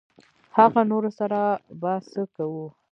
هغه نورو سره به څه کوو.